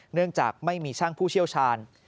เนื่องจากไม่มีช่างผู้เชี่ยวชาญ